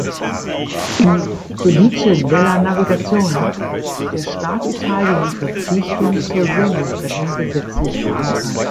Im "Codice della Navigazione" hat der Staat Italien die Verpflichtung zur Seenotrettung gesetzlich verankert.